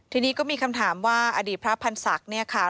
ทีนี้ก็มีคำถามว่าอดีตพระพันธ์ศักดิ์เนี่ยค่ะ